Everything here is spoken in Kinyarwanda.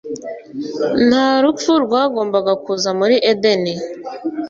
nta rupfu rwagombaga kuza muri edeni